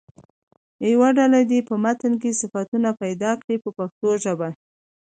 یوه ډله دې په متن کې صفتونه پیدا کړي په پښتو ژبه.